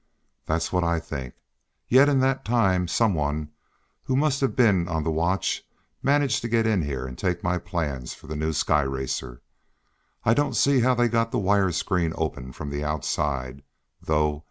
"That's what I think. Yet in that time someone, who must have been on the watch, managed to get in here and take my plans for the new sky racer. I don't see how they got the wire screen open from the outside, though.